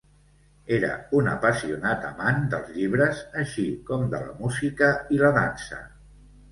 Era un apassionat amant dels llibres, així com de la música i la dansa.